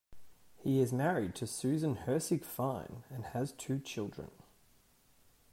He is married to Susan Hirsig Fine and has two children.